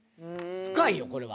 深いよこれは。